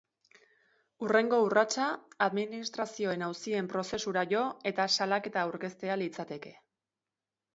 Hurrengo urratsa administrazioen auzien prozesura jo eta salaketa aurkeztea litzateke.